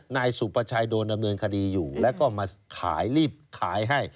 นายสุประชัยโดนดำเนินคดีอยู่แล้วก็มาขายรีบขายให้